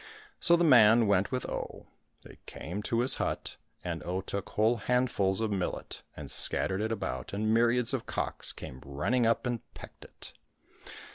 So the man went with Oh. They came to his hut, and Oh took whole handfuls of millet and scattered it about, and myriads of cocks came running up and pecked it.